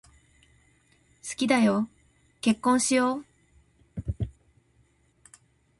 好きだよ、結婚しよう。